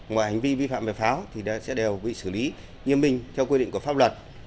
ngoài hành vi vi phạm về pháo thì sẽ đều bị xử lý nghiêm minh theo quy định của pháp luật